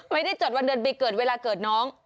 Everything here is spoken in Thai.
ไม่ได้จดวันเดือนมีเกิดเวลาเกิดน้อง